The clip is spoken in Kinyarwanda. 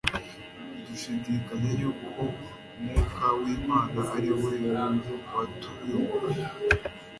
dushidikanya yuko Mwuka w'Imana ari we watuyoboraga